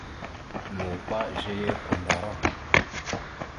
Nuɓa zeya kwandara.